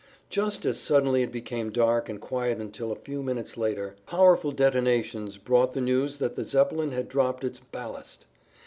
Just as suddenly it became dark and quiet until a few minutes later, powerful detonations brought the news that the Zeppelin had dropped its "ballast."